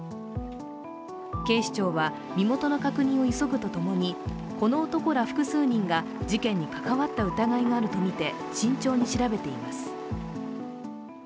警視庁は身元の確認を急ぐとともにこの男ら複数人が事件に関わった疑いがあるとみて、慎重に調べています。